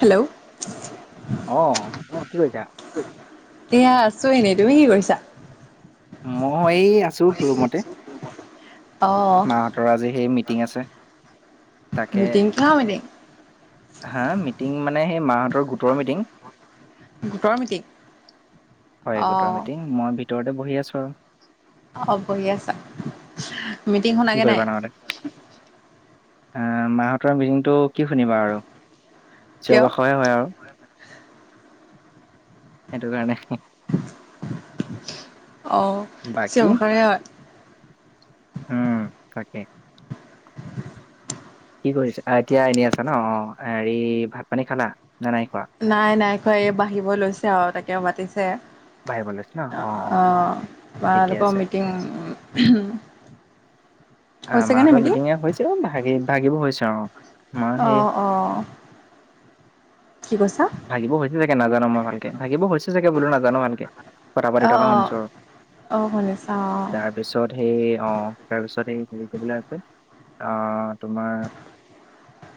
Hello অ কি কৰিছা এয়া আছো এনেই, তুমি কি কৰিছা? মই এই আছো ৰুমতে। অ ত আজি সেই মিটিং আছে। তাকে মিটিং কিহ মিটিং হা মিটিং মানে সেই মাহঁতৰ গোটৰ মিটিং। গোটৰ মিটিং হয় গোটৰ অ' মিটিং মই ভিতৰতে বহি আছো আৰু। অ বহি আছা মিটিং কি শুনাগে নাই। এ মাহঁতৰ মিটিংটো কি শুনিবা আৰু চিঞৰ কিয় বাখৰহে হয় আৰু। সেটোকাৰণে উ অ বাকী চিঞৰ বাখৰে হয়। উম তাকে। কি কৰিছে এতিয়া, এনে আছা ন অ হেৰি ভাত পানী খালা না নাই খোৱা? নাই নাইখোৱা এই বাঢ়িব লৈছে আৰু তাকে মাতিছে। বাঢ়িব লৈছে ন অ অ অ ঠিকে আপোনালোক আছে মিটিং। উ হম। অ মাহঁতৰ মিটিঙে হৈছে ভাগি ভাগিব হৈছে আৰু। মই অ সেই অ। কি কৈছা? ভাগিব হৈছে চাগে নাজানো মই ভালকে ভাগিব হৈছে চাগে বোলো নাজানো ভালকে। কথা পাতি অ' থকা অ' শুনিছোঁ। অ শুনিছা অ। তাৰপিছত সেই অ তাৰপিছত সেই। সেই কৰিবলে আছে অ তোমাৰ।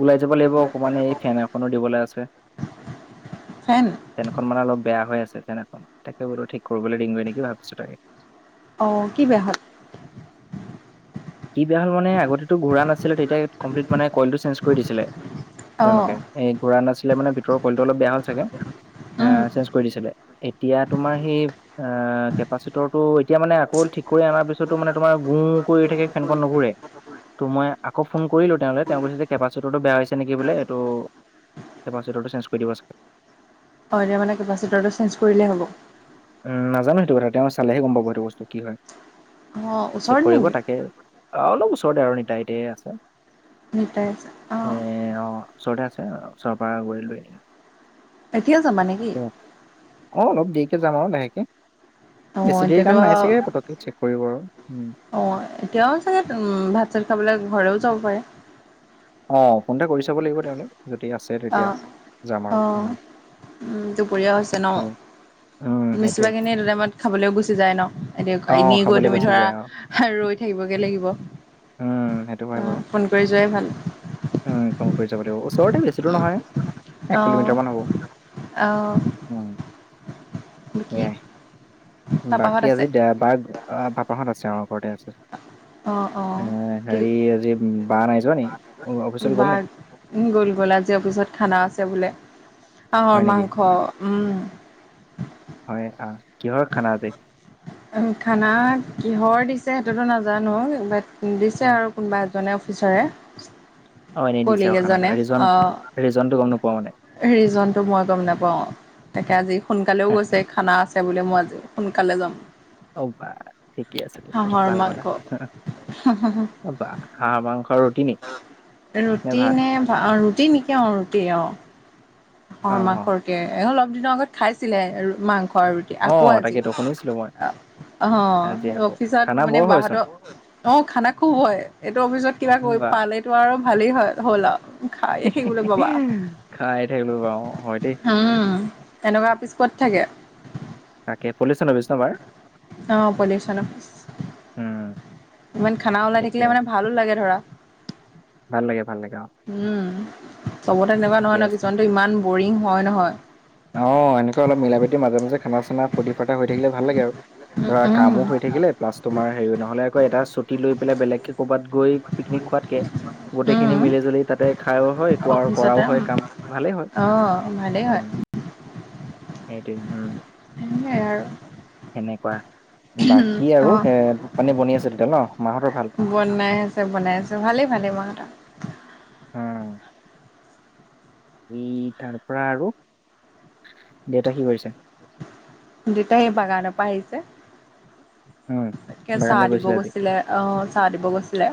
ওলাই যাব লাগিব অকমান এই ফেন এখনো দিবলে আছে। ফেন। ফেনএখন মানে অলপ বেয়া হৈ আছে ফেন এখন তাকে বতো ঠিক কৰিবলৈ দিংগৈ নেকি ভাবিছো তাকে। অ কি বেয়া হ'ল? কি বেয়া হ'ল মানে আগতেতো ঘূৰা নাছিলে তেতিয়া কমপ্লিট মানে কইলটো চেঞ্জ কৰি দিছিলে। অ' তেওঁলোকে এই ঘোৰা নাছিলে মানে ভিতৰৰ কইলটো অলপ বেয়া হল চাগে এ উম। চেন্স। কৰি দিছিলে এতিয়া তোমাৰ সেই অ কেপাচিটৰটো এতিয়া মানে আকৌ ঠিক কৰি অনাৰ পিছতো মানে তোমাৰ গোঁ কৰি থাকে। ফেনখন নুঘূৰে [unintelligible] ত' মই আকৌ ফোন কৰিলো তেওঁলে তেওঁ কৈছে যে কেপাচিটাৰটো বেয়া হৈছে নেকি বোলে এইটো। কেপাচিটটো চেন্স কৰি দিবা। অ এতিয়া মানে কেপাচিটাৰটো চেন্স কৰিলেই হ'ব। উম নাজানো সেইটো কথা তেওঁ চালেহে গম পাব সেইটো বস্তু কি হয় অ' চেক ওচৰত কৰিব নেকি তাকে। অ অলপ ওচৰতে আৰুতাইতে আছে। মিটাইছে অ। এ অ ওচৰতে আছে ওচৰ পৰা গৈ লৈ আনিম। এতিয়াও যাবা নেকি? অ অলপ দেৰিকে যাম আৰু লাহেকে অ বেছি দেৰি এতিয়াতো কাম নাই আও চাগে পতকে চেক কৰিব আৰু উম অ এতিয়াও চাগে ভাত চাত খাবলে ঘৰেও যাব পাৰে অ ফোনতে কৰি চাব লাগিব তেওঁলে যদি আছে। অ তেতিয়া যাম আৰু অ উম, উম দুপৰীয়া হৈছে ন। উম, উম, সেইটোৱে। বেছিভাগে এনেই এইটো টাইমত খাবলৈও গুচি যায় ন এতিয়া অ', এনেই গৈ খাবলৈ তুমি গৈছিল ধৰা। যে অ', ৰৈ থাকিবগৈ লাগিব উম, সেইটো অ ফোন কৰি যোৱাই ভাল। অ ফোন কৰি যাব লাগিব ওৰতে বেছি দূৰ নহয়। এক অ কিলোমিটাৰ মান হব অ উম। কি সেয়াই পাপাহঁত বাকী আছে আজি দেবাৰ বাপাহত আছে অ ঘৰতে আছে। অ [unintelligible] অ কি হেৰি আজি বা নাই যোৱা নেকি অফিচলে বা গ'ল নাই? গ'ল গ'ল আজিৰ অফিচত খানা আছে বোলে হয় হাঁহৰ নেকি মাংস উম হয় আহ কিহৰ খানা আজি খানা কিহৰ দিছে সেইটোতো নাজানো বাট দিছে উম, আৰু কোনোবা এজনে অফিচাৰে অ এনেই দিছে কলিগ আৰু খান এজনে এটা ৰিজন ৰিজনতটো গম নোপোৱা মানে ৰিজন টো মই গম নেপাওঁ। তাকে আজি সোনকালেও হে, গৈছে খানা আছে বুলি মই আজি সোনকালে যাম অ বা ঠিকে আছে ঠিকে আছে হাঁহৰ ভাল কথা মাংস অ বা হাঁহ মাংসৰ ৰুটি নে ৰুটি নেকি অ ৰুটি অ অ', হাঁহৰ মাংসৰকে অলপ দিনৰ আগত খাইছিলে মাংস ৰুটি আকৌ অ', আজি তাকেতো শুনিছিলোঁ মই আজি অ আকৌ খানা অফিচত বৰ মানে হয়চোন বাহতৰ অ খানা খুব হয় এইটো অফিছত কিবা বা পালেটো আৰু ভালেই হয় হ'ল আও খায়ে থাকিবলে পাবা খাই থাকিবলে পাবা হয় দেই উম এনেকুৱা অফিচত থাকে তাকে পুলিচন অফিচ ন বাৰ অ পলিউচন অফিছ উম ইমান খানা ওলাই ঠিকে থাকিলে মানে আছে ভালো লাগে ধৰা। ভাল লাগে ভাল লাগে অ উম চবতে তেনেকোৱা নহয় ঠিকে নহয় আছে কিছুমানতো ইমান বৰিং হয় নহয় অ এনেকোৱা অলপ মিলা প্ৰীতি মাজে মাজে খানা চানা ফূৰ্তি ফাৰ্তা হৈ থাকিলে ভাল লাগে আৰু উম, ধৰা উম, কামো হৈ থাকিলে প্লাছ তোমাৰ হেৰি নহ'লে আকৌ এটা ছুটি লৈ পেলাই বেলেগকে ক'ৰবাত গৈ পিকনিক খোৱাতকে গোটেইখিনি উম। মিলি জুলি তাতে খাইও হয় একো আৰু অফিচতে কৰাও হয় কাম ভালেই হয় অ', ভালেই উ হয়, সেইটোৱে উম সেনেকাই আৰু সেনকোৱা বাকী আৰু অ'। মানে বনি আছে তেতিয়া ন মাহতৰ ভাল বনাই আছে বনাই আছে ভালেই ভালেই মাহঁতৰ উ তাৰ পৰা আৰু দেউতাক সি কৰিছে দেতাই বাগানৰ পৰা আহিছে উম। তে চাহ বাগানলৈ দিব আজি। গৈছিলে অহ চাহ দিব গৈছিলে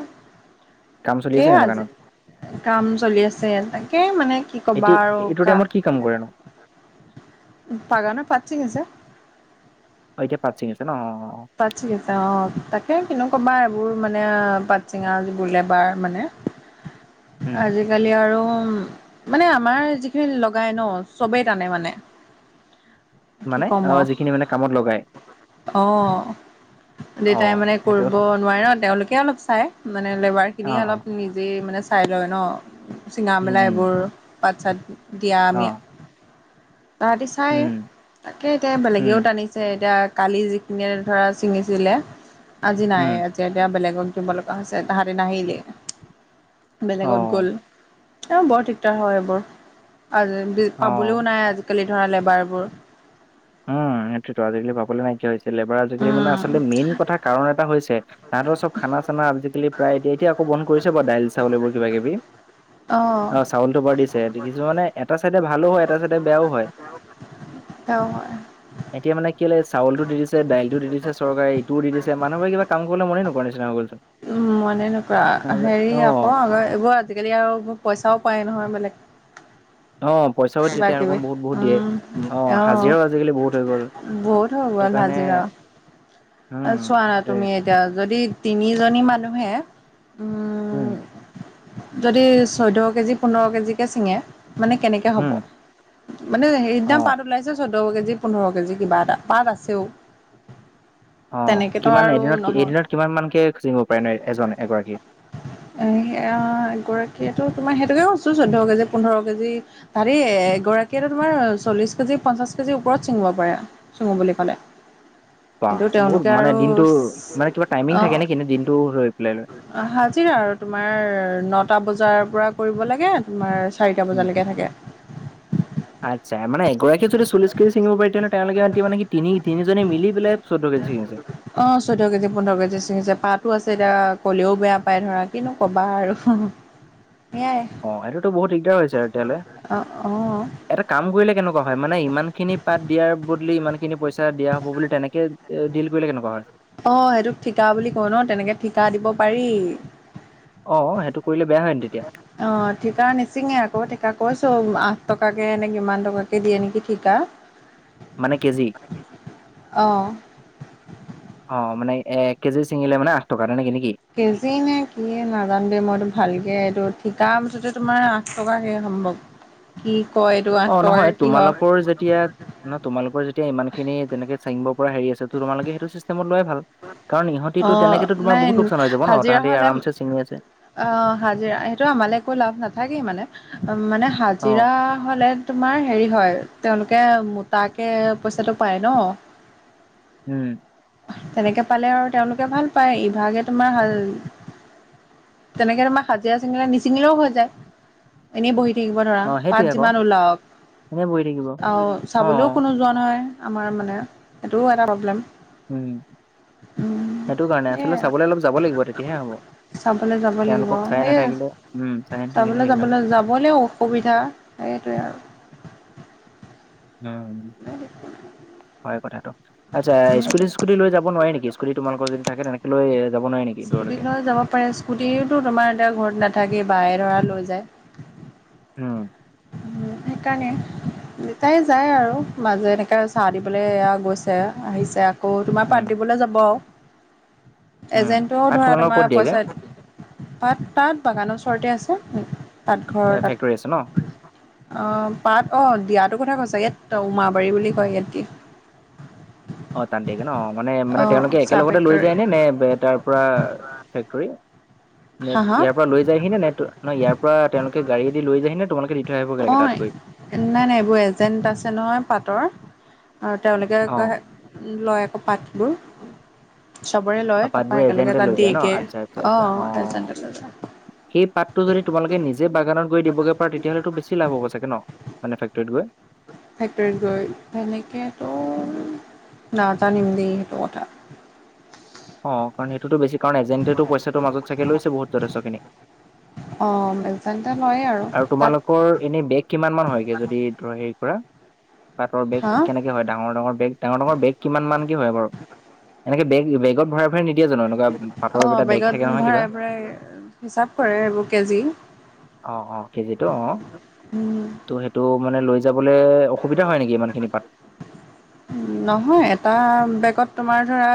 কাম চলি আছে সেয়া মানে আজি দোকানত কাম চলি আছে তাকে মানে কি কবা এতিয়া আৰু এইটো কা টাইমত কি কাম কৰেনো বাগানত পাত চিঙিছে অ এতিয়া পাত ছিঙিছে ন অ পাত ছিঙি আছে অ তাকে কিনো ক'বা এইবোৰ মানে পাট চিঙা যিবোৰ লেবাৰ মানে উম। আজি কালি আৰু উ মানে আমাৰ যিখিনি লগাই ন চবেই টানে মানে কি মানে কম অ যিখিনি মানে কামত লগাই। অ ঘৰত অ দেতাই মানে সেইটো কৰিব নোৱাৰে ন তেওঁলোকে অলপ চাই মানে লেবাৰ অ খিনিয়ে অ। অলপ নিজে মানে চাই লয় ন চিঙা উম মেলা উম। এইবোৰ পাত চাত দিয়া অ। মি তাহাঁতি চাই উম তাকে এতিয়া উম বেলেগেও টানিছে এতিয়া কালি যিখিনিয়ে ধৰা ছিঙিছিলে আজি নাই উম। যেতিয়া এতিয়া বেলেগত দিব লগা হৈছে তাহাঁতি নাহিলে অ বেলেগত গ'ল অ বৰ দিগদাৰ হয় এইবোৰ আজ পাবলৈও অ। নাই আজিকালি ধৰা লেবাৰবোৰ উম সেইটোৱেইটো আজি কালি পাবলৈ নাইকিয়া হৈছে লেবাৰ আজিকালি মানে উম আচলতে মেইন কথা কাৰণ এটা হৈছে তাহতৰ চব খানা চানা আজিকালি প্ৰায় এতিয়া এতিয়া আকৌ বন্ধ কৰিছে বা দাইল চাউলবোৰ কিবা কিবি অ চাউলটো বাৰ দিছে কিছুমানে এটা চাইডে ভালো হয় এটা চাইডে বেয়াও হয় অ এতিয়া মানে কি হল এই চাউলটো দি দিছে দাইলটো দি দিছে চৰকাৰে ইটো দি দিছে মানুহবোৰে কিবা কাম কৰিবলৈ মনেই নকৰো নিচিনা হৈ গ'ল চোন উ মনেই নকৰা হেৰি আকৌ অ', আগ এইবোৰ আজিকালি আৰু পইচাও পায় নহয় বেলেগএ অ পইচাও দিয়ে কিবি তেওঁলোকক বহুত বহুত দিয়ে উম অ হাজিৰাও আজিকালি বহুত হৈ গ'ল বহুত হৈ সেইটো গল কাৰণে হাজিৰা উম, চোৱা না দে তুমি এতিয়া যদি তিনিজনী মানুহে উম উম যদি চৈধ্য কেজি পোন্ধৰ কেজি কে চিঙে মানে কেনেকে উম, মানে হেৰিদিনা অ', পাত ওলাইছে চৈধ্য কেজি পোন্ধৰ কেজি কিবা এটা পাত আছেও [unintelligible] অ তেনেকেতো কিমান আৰু এদিনত নহ'ল এইদিনত কিমান মানকে জিঙিব পাৰে ন এজন এগৰাকীয়ে এ সেয়া এগৰাকীয়েতো তোমাৰ সেইটোকে কৈছো চৈধ্য কেজি পোন্ধৰ কেজি হাৰৰি এগৰাকীয়ে তোমাৰ চল্লিছ কেজি পঞ্চাছ কেজিৰ ওপৰত ছিঙিব পাৰে চিঙো বুলি ক'লে বাহ কিন্তু বহুত তেওঁলোকে মানে আৰু দিনটো মানে কিবা টাইমিং অ থাকে নেকি নে দিনটো লৈ পেলাই লয়? অ হাজিৰা আৰু তোমাৰ নটা বজাৰ পৰা কৰিব লাগে। তোমাৰ চাৰিটা বজালৈকে থাকে। আত্চ্ছা মানে এগৰাকীয়ে যদি চল্লিছ কেজি চিঙিব পাৰে তেওঁলোকে আনকি মানে তিনি তি- নিজনে মিলি পেলাই চৈধ্য কেজি ছিঙিছে। অ চৈধ্য কেজি পোন্ধৰ কেজি ছিঙিছে পাতো আছে এতিয়া কলেও বেয়া পায় ধৰা। কিনো ক'বা আৰু সেয়াই। অ এইটোতো বহুত দিগদাৰ হৈছে তেতিয়া হ'লে। অ অ এটা কাম কৰিলে কেনেকুৱা হয় মানে ইমান খিনি পাত দিয়াৰ বদলি ইমান খিনি পইচা দিয়া হব বুলি তেনেকে এ ডিল কৰিলে কেনেকুৱা হয়। অ সেইটোক ঠিকা বুলি কয় ন তেনেকে ঠিকা দিব পাৰি। অ সেইটো কৰিলে বেয়া হয় ন তেতিয়া অ ঠিকা নিচিঙে আকৌ ঠিকা কৌছো, আঠ টকাকৈ এনে কিমান টকাকৈ দিয়ে নেকি ঠিকা। [inaudible] মানে কেজি। অ', অ মানে এ কেজি ছিঙিলে মানে আঠ টকা নে কি নেকি কেজি নে কিয়ে নাজান দেই মইতো ভালকৈ এইটো ঠিকা মুঠতে তোমাৰ আঠ টাকে সম্ভৱ। [inaudible] কি কয় এইটো আঠ অ টকাকে নহয় কি হয় তোমালোকৰ যেতিয়া নহ তোমালোক যেতিয়া ইমান খিনি তেনেকে চাঙিব পৰা হেৰি আছে তো তোমালোকে সেইটো চিষ্টেমত লোৱাই ভাল। কাৰণ ইহতিতো অ', তেনেকেতো তোমাৰ নাই বহুত লোকচান হৈ যাব ন হাজিৰা তাহাঁতি হ'লে আৰামছে চিঙি আছে। অ হাজিৰা সেইটো আমালৈ একো লাভ নাথাকেই মানে মানে অ হাজিৰা হ'লে তোমাৰ হেৰি হয় তেওঁলোকে মোটাকে পইচাটো পায় ন। উম। তেনেকে পালে আৰু তেওঁলোকে ভাল পায় ইভাগে তোমাৰ হাল তেনেকে তোমাৰ হাজিৰা চিঙিলা নিচিঙিলেও হৈ যায়। এনেই বহি থাকিব ধৰা অ সেইটোৱে পাত আকৌ যিমান ওলাওক এনে বহি থাকিব অ চাবলৈও কোনো যোৱা নহয় আমাৰ মানে এইটোও এটা প্ৰব্লেম। উম সেইটো কাৰণে সেয়াই আচলতে চাবলৈ অলপ যাব লাগিব তেতিয়াহে হ'ব। চাবলৈ যাব লাগিব তেওঁলোকক চাই সেই নাথাকিলে উম চাই নাথাকিলে চাবলৈ হেৰি নহয় যাবলৈ যাবলৈও অসুবিধা। সেইটোৱে আৰ উম। [unintelligible] হয় কথাটো আচ্ছা স্কুটিছ কুটি লৈ যাব নোৱাৰি নেকি স্কুটি তোমালৰ যদি থাকে তেনেকে লৈ যাব নোৱাৰি নেক- স্কুটি লৈ যাব পাৰে স্কুটিটো তোমাৰ এতিয়া ঘৰত নাথাকেই বাইয়ে ধৰা লৈ যায়। উম কাণে দেতাই যায় আৰু মাজে এনেকে চাহ দিবলৈ এয়া গৈছে আহিছে। আ- কৌ তোমাৰ পাত উম দিবলৈ যাব আৰু উম এজেণ্টও ভাত ধৰা তোমালোকৰ তোমাৰ ক'ত দিয়েগে পইচা পাত তাত বাগানৰ ওচৰতে আছে। এ ফেক্টৰী আছে ন। অ পাত অ দিয়াতো কথা কৈছা ইয়াত উমাবাৰী বুলি কয়, ইয়াত দিয়ে। অ তাত দিয়েগে ন মানে মানে অঁ তেওঁলোকে চাহ একেলগতে লৈ ফেক্টৰী যায় নে, নে তাৰ পৰা ফেক্টৰী হা নেট হা ইয়াৰ পৰা লৈ যায়হি নে নে ইয়াৰ পৰা তেওঁলোকে গাড়ী দি লৈ যায়হি তোমালোকে দি থৈ আহিব গে লাগে অঁ তাত গৈ? নাই নাই এইবোৰ এজেণ্ট আছে নহয় পাটৰ আৰু তেওঁলোকে অ এক হয় লয় আকৌ পাতবোৰ চবৰে লয় তাপা পাতবোৰ একেলগে এজেণ্টে তাত লৈ যায় দিয়ে ন গে আচ্ছা আচ্ছা অ আচ্ছা হেল চেণ্টাৰ লৈ যায় [unintelligible] যে বাগানত গৈ দিবগৈ পাৰে তেতিয়া হ'লেতো বেছি লাভ হ'ব চাগে ন মানে ফেক্টৰী গৈ ফেক্টৰীত গৈ সেনেকেতো নাজানিম দেই সেইটো কথা। অ কাৰণ সেইটো বেছি কাৰণ এজেণ্টেটো পইচাটো মাজত চাগে লৈছে বহুত যথেষ্টখিনি। অ এজেণ্টে লয়ে আৰু তাত তোমালৰ এনে বেগ কিমান হয় গে এনে যদি হেৰি কৰা পাতৰ বেগ হা অ কে হয় ডাঙৰ ডাঙৰ বেগ ডাঙৰ ডাঙৰ বেগ কিমান মান কি হয় বাৰু এনেকে বেগ বেগত ভৰাই, নিদিয়ে জানো এনেকুৱা পাতৰ এটা বেগ থাক নহয় কিবা। প্ৰায়, হিচাপ কৰে এইবোৰ কেজি। অ অ কেজিটো অ উম ত' সেইটো মানে লৈ যাবলৈ অসুবিধা হয় নেকি ইমান খিনি পাত। নহয় এটা বেগত তোমাৰ ধৰা।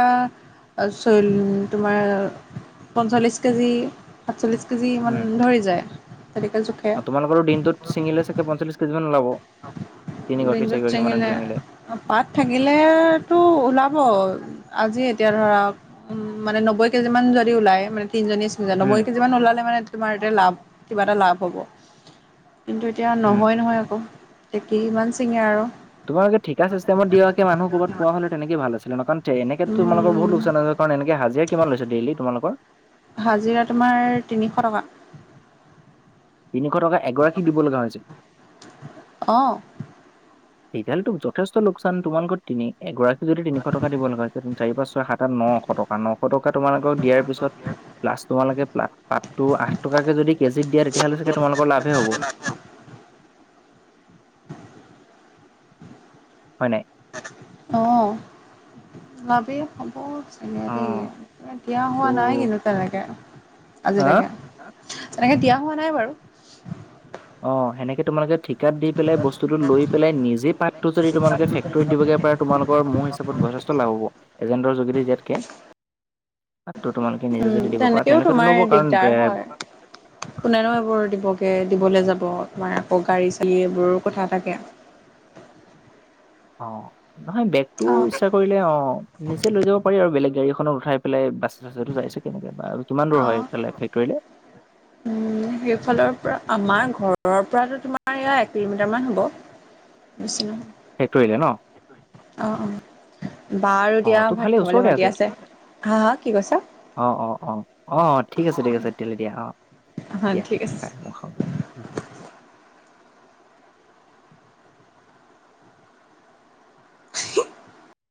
চ তোমাৰ পঞ্চল্লিছ কেজি, সাতচল্লিছ কেজিমান উম ধৰি যায় তেনেকে জোখে। বাৰু দিনটোত ছিঙিলে চাগে পঞ্চল্লিছ কেজিমান ওলাব তিনিগৰাকী চাৰিগৰাকী মানে ছিঙিলে। পাত থাকিলেতো ওলাব। আজি এতিয়া ধৰাক উ মানে নব্বৈ কেজি মান যদি ওলাই মানে তিনজনী উম নব্বৈ কেজি মান ওলালে মানে তোমাৰ এতিয়া লাভ কিবা এটা লাভ হ'ব কিন্তু, এতিয়া উম নহয় নহয় আকৌ কিমান ছিঙে আৰু তোমালোক ঠিকা চিষ্টেমত দিয়াকে মানহ কৰবাত পোৱা হলে তেনেক ভাল আছিলে ন কাৰণ। তে এনেকেত তোমালোকৰ উম বহুত লোকচান হৈছে কাৰণ এনেকে হাজিাৰ কিমান লৈছে ডেইলি তোমালোকৰ। হাজিৰা তোমাৰ তিনিশ টকা। তিনিশ টকা এগৰাকী দিব লগা হৈছে। অ, সিডালটোক যথেষ্ট লোকচান তোমালোকৰ তিনি এগৰাকী যদি তিনিশ টকা দিব লগা হৈছে। চাৰি পাঁচ ছয় সাত আঠ নশ টকা নশ টকা তোমালোকক দিয়াৰ পিছত প্লাছ তোমালোকে প্লা ত' আঠটকাকে যদি কেজিত দিয়া তেতিয়া হ'লে চাগে তোমালোকৰ লাভে হ'ব। হয় নাই। অ ভাবি খব অ দিয়া হোৱা নাই ত' কিন্তু তেনেকে হা আজিলেকে। তেনেকে দিয়া হোৱা নাই বাৰু, অ সেনেকে তোমালোকে ঠিকাত দি পেলাই বস্তুটো লৈ পেলাই নিজে পাতটো যদি তোমালোকে ফেক্টৰীত দিবগে। তোমালোকৰ মোৰ হিচাপত যথেষ্ট লাভ হব এজেণ্টৰ যোগেদি দিয়াতকে। তো তোমালোকে নিজে উম যদি দিব পাৰা তেনেকেও তেনেকো তোমাৰ ল'ব কাৰণ দিগদাৰ এ হয় কোনেনো এইবোৰ দিবগে দিবলৈ যাব তোমাৰ আকৌ গাড়ী চালি এইবোৰৰ কথা থাকে। অ নহয় বেগটো অঁ [unintelligible] কৰিলে অ নিজে লৈ যাব পাৰি আৰু বেলেগ গাড়ীখনত উঠাই পেলাই বাছে চাছেটো যাইছে কেনেকে বা কিমান দূৰ হয় সেই ফালে ফেক্টৰীলে। উম সেইফালৰ পৰা আমাৰ ঘৰৰ পৰাতো তোমাৰ এয়া এক কিলোমিটাৰ মান হ'ব। বেছি নহয়। ফেক্টৰিলে ন। অঁ অঁ বাৰু দিয়া অ', তো ভাত ভালেই খাবলৈ ওচৰতে মাতি আছে হা হা কি কৈছা। অঁ অঁ অঁ অঁ অঁ ঠিক আছে ঠিক আছে তেতিয়াহলে দিয়া অঁ হা ঠিক আছে। দিয়াই। [unintelligible] [unintelligible]